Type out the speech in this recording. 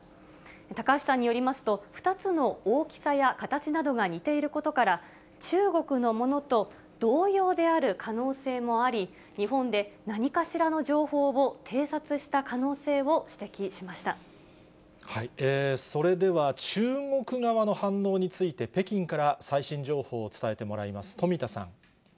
高橋さんによりますと、２つの大きさや形などが似ていることなどから、中国のものと同様である可能性もあり、日本で何かしらの情報を偵それでは、中国側の反応について、北京から最新情報を伝えてもらいます。